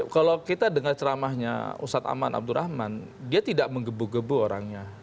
kalau kita dengar ceramahnya ustadz aman abdurrahman dia tidak menggebu gebu orangnya